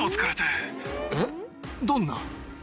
どんな？